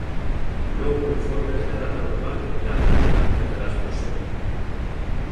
No hubo informes de nada anormal en la planta antes de la explosión.